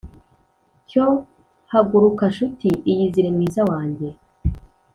Cyo haguruka, ncuti; iyizire, mwiza wanjye.